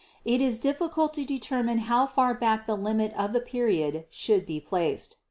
It is difficult to determine how far back the limit of the period should be placed.